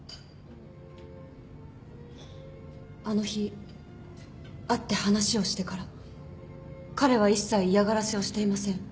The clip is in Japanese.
あの日会って話をしてから彼は一切嫌がらせをしていません。